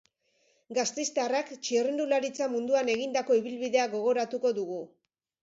Gasteiztarrak txirrindularitza munduan egindako ibilbidea gogoratuko dugu.